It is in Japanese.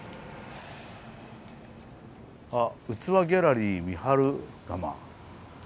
あ「器・ギャラリーみはる窯」。